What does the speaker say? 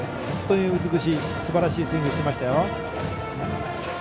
本当に美しいすばらしいスイングしていましたよ。